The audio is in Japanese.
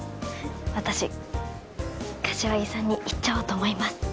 私柏木さんに行っちゃおうと思います。